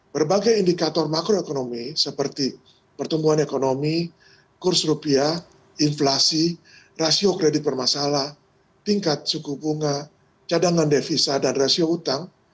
berbagai indikator makroekonomi seperti pertumbuhan ekonomi kurs rupiah inflasi rasio kredit bermasalah tingkat suku bunga cadangan devisa dan rasio utang